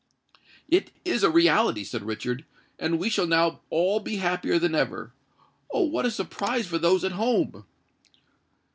"It is a reality," said Richard; "and we shall now all be happier than ever. Oh! what a surprise for those at home!"